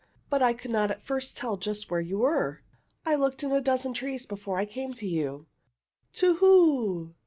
"But I could not at first tell just where you were. I looked in a dozen trees before I came to you." "To who?